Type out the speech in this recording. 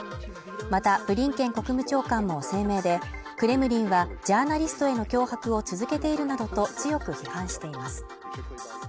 また、ブリンケン国務長官も声明で、クレムリンはジャーナリストへの脅迫を続けているなどと強く批判しています。